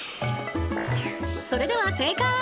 それでは正解！